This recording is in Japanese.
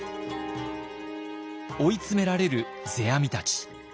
追い詰められる世阿弥たち。